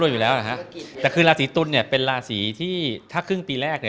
แต่คือลาศีตุลเป็นลาศีที่ถ้าครึ่งปีแรก